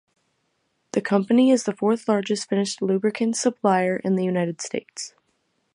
The company is the fourth largest finished lubricants supplier in the United States.